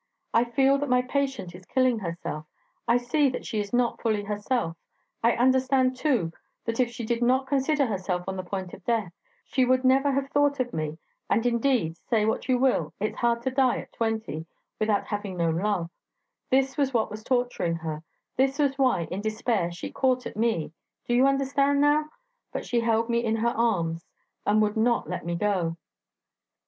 I feel that my patient is killing herself; I see that she is not fully herself; I understand, too, that if she did not consider herself on the point of death, she would never have thought of me; and, indeed, say what you will, it's hard to die at twenty without having known love; this was what was torturing her; this was why, in despair, she caught at me do you understand now? But she held me in her arms, and would not let me go.